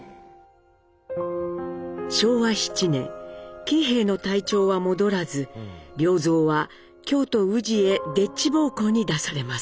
昭和７年喜兵衛の体調は戻らず良三は京都・宇治へでっち奉公に出されます。